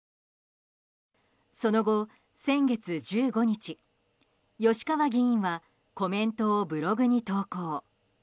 その後、先月１５日吉川議員はコメントをブログに投稿。